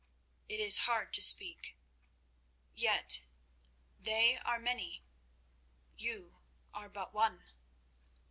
"It is hard to speak. Yet, they are many—you are but one."